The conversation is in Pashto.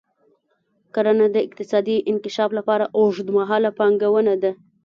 کرنه د اقتصادي انکشاف لپاره اوږدمهاله پانګونه ده.